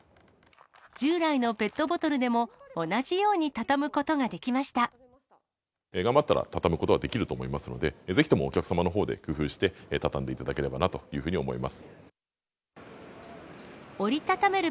従来のペットボトルでも、頑張ったら畳むことはできると思いますので、ぜひともお客様のほうで工夫して畳んでいただければなというふう折り畳める